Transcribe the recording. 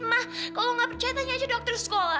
mak kalau gak percaya tanya aja dokter sekolah